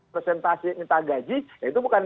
presentasi minta gaji ya itu bukan